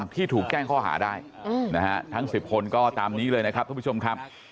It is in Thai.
ที่ถูกแจ้งข้อหาได้ทั้ง๑๐คนก็ตามนี้เลยนะครับทุกผู้ชมครับ